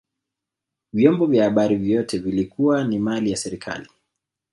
vyombo vya habari vyote vilikuwa ni mali ya serikali